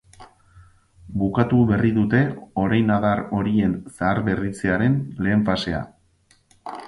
Bukatu berri dute orein adar horien zaharberritzearen lehen fasea.